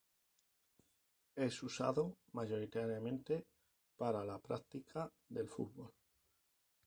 Es usado mayoritariamente para la práctica del fútbol.